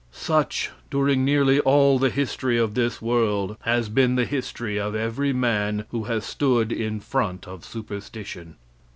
Such, during nearly all the history of this world, has been the history of every man who has stood in front of superstition.